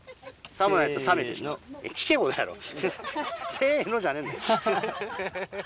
「せの」じゃねえんだよ。